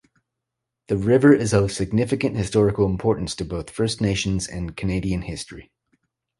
The river is of significant historical importance to both First Nations and Canadian history.